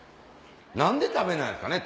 何で食べないんですかね？